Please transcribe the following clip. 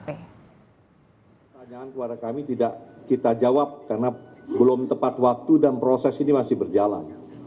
pertanyaan kepada kami tidak kita jawab karena belum tepat waktu dan proses ini masih berjalan